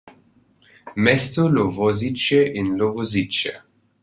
Město Lovosice in Lovosice.